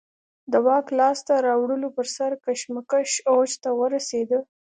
د واک لاسته راوړلو پر سر کشمکش اوج ته ورسېد